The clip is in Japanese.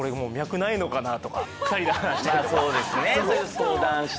相談して。